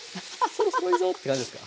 そろそろいいぞって感じですか？